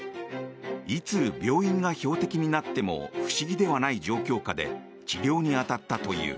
いつ病院が標的になっても不思議ではない状況下で治療に当たったという。